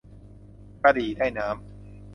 กระดี่ได้น้ำ